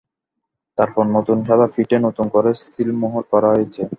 তারপর নতুন সাদা পিঠে নতুন করে সিলমোহর করা হয়েছে।